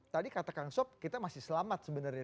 tadi kata kang sob kita masih selamat sebenarnya